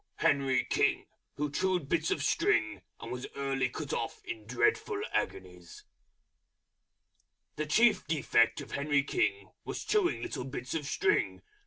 HENRY KING, Who chewed bits of String, and was early cut off in Dreadful Agonies. The Chief Defect of Henry King Was chewing little bits of String.